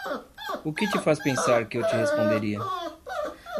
O que te faz pensar que eu te responderia?